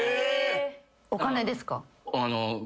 お金ですか？